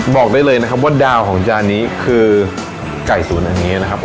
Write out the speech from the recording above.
บอกได้เลยนะครับว่าดาวของจานนี้คือไก่สวนแห่งนี้นะครับ